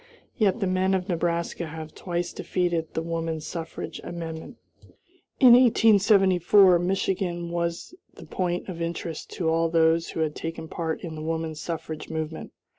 Yet the men of Nebraska have twice defeated the woman suffrage amendment. In 1874 Michigan was the point of interest to all those who had taken part in the woman suffrage movement.